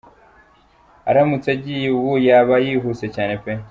Aramutse agiye ubu yaba yihuse cyane pe.